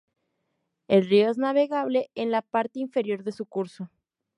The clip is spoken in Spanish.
El río es navegable en la parte inferior de su curso.